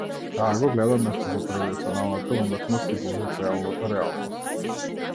Таа го гледа место за традиционалната уметност и во виртуелната реалност.